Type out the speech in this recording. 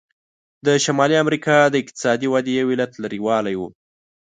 د شمالي امریکا د اقتصادي ودې یو علت لرې والی و.